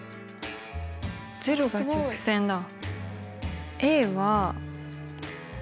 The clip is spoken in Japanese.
０が直線だ。